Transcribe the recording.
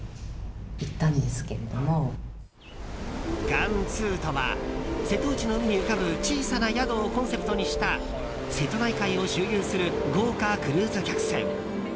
ガンツウとは「せとうちの海に浮かぶ、ちいさな宿」をコンセプトにした瀬戸内海を周遊する豪華クルーズ客船。